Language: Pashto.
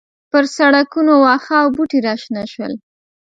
پر سړکونو واښه او بوټي راشنه شول.